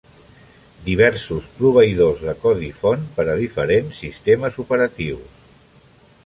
Diversos proveïdors de codi font per a diferents sistemes operatius.